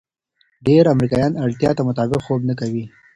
ډېر امریکایان اړتیا ته مطابق خوب نه کوي.